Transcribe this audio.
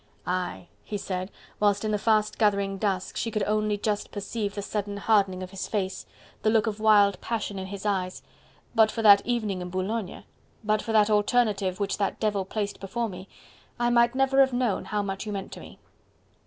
"Aye," he said, whilst in the fast gathering dusk she could only just perceive the sudden hardening of his face, the look of wild passion in his eyes, "but for that evening in Boulogne, but for that alternative which that devil placed before me, I might never have known how much you meant to me."